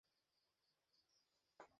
আমরা এটা থামাতে পারছি না, ম্যাম।